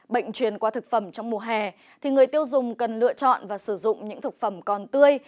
bệnh truyền qua thực phẩm trong mùa hè thì người tiêu dùng cần lựa chọn và sử dụng những thực phẩm còn tươi